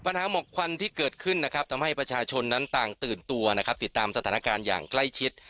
หมกควันที่เกิดขึ้นนะครับทำให้ประชาชนนั้นต่างตื่นตัวนะครับติดตามสถานการณ์อย่างใกล้ชิด